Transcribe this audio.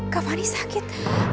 kak fani sakit